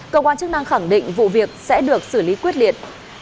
cơ quan chức năng khẳng định vụ việc sẽ được xử lý quyết liệt